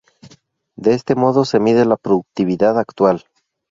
De este modo se mide la productividad actual.